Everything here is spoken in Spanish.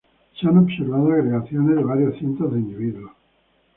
Se han observado agregaciones de varios cientos de individuos.